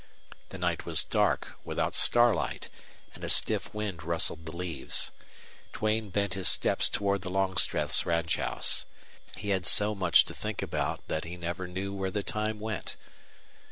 The night was dark, without starlight, and a stiff wind rustled the leaves. Duane bent his steps toward the Longstreth's ranchhouse. He had so much to think about that he never knew where the time went.